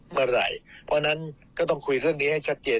เพราะฉะนั้นก็ต้องคุยเรื่องนี้ให้ชัดเจน